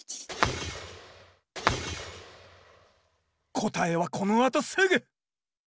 答えはこのあとすぐ！